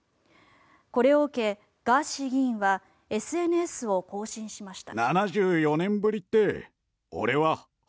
これを受け、ガーシー議員はＳＮＳを更新しました。